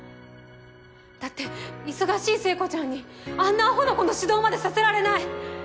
だって忙しい聖子ちゃんにあんなアホな子の指導までさせられない！